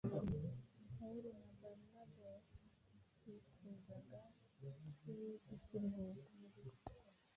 Pawulo na Barinaba bifuzaga ikiruhuko,